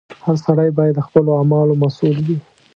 • هر سړی باید د خپلو اعمالو مسؤل وي.